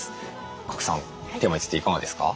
賀来さんテーマについていかがですか？